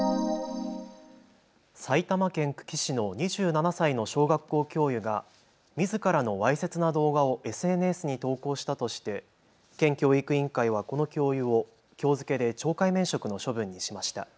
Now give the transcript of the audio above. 埼玉県久喜市の２７歳の小学校教諭がみずからのわいせつな動画をＳＮＳに投稿したとして県教育委員会はこの教諭をきょう付けで懲戒免職の処分にしました。